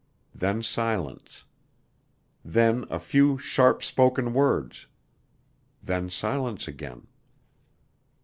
Then silence. Then a few sharp spoken words. Then silence again.